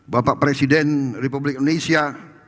bapak presiden republik indonesia